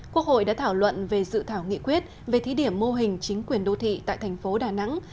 quốc hội đã thảo luận về dự thảo nghị quyết về thí điểm mô hình chính quyền đô thị tại thành phố đà nẵng